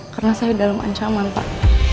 karena saya dalam ancaman pak